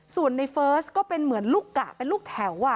ส่วนในเฟิร์สก็เป็นเหมือนลูกกะเป็นลูกแถว